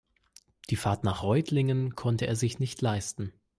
Die Fahrt nach Reutlingen konnte er sich nicht leisten